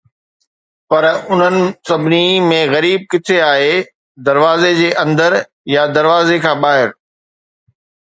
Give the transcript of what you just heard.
پر انهن سڀني ۾ غريب ڪٿي آهي، دروازي جي اندر يا دروازي کان ٻاهر؟